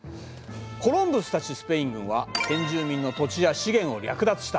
コロンブスたちスペイン軍は先住民の土地や資源を略奪した。